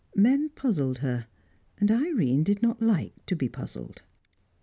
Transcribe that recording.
Men puzzled her, and Irene did not like to be puzzled.